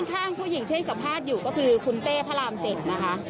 ข้างผู้หญิงที่ให้สัมภาษณ์อยู่ก็คือคุณเต้พระราม๗นะคะ